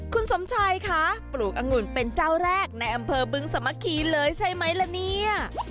คุณสมชัยคะปลูกอังุ่นเป็นเจ้าแรกในอำเภอบึงสามัคคีเลยใช่ไหมล่ะเนี่ย